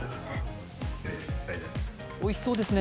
おいしそうですね。